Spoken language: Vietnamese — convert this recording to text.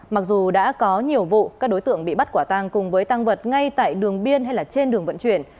mặc dù đã có nhiều vụ các đối tượng bị bắt quả tăng cùng với tăng vật ngay tại đường biên hay là trên đường vận chuyển